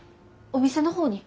お店の方に。